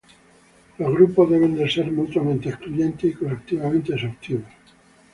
Los grupos deben ser mutuamente excluyentes y colectivamente exhaustivos.